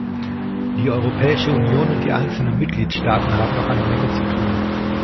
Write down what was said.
Die Europäische Union und die einzelnen Mitgliedstaaten haben noch eine Menge zu tun.